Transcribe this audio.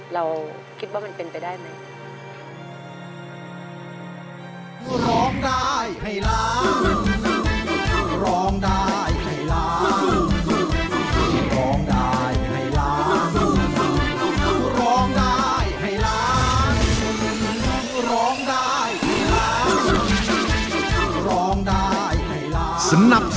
เราคิดว่ามันเป็นไปได้ไหม